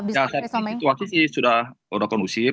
nah situasi sudah kondusif